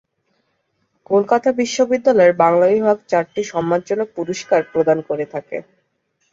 কলকাতা বিশ্ববিদ্যালয়ের বাংলা বিভাগ চারটি সম্মানজনক পুরস্কার প্রদান করে থাকে।